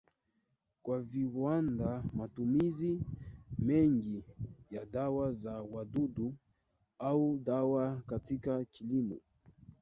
kwa viwandaMatumizi mengi ya dawa za wadudu au dawa katika kilimo